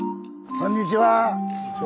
こんにちは。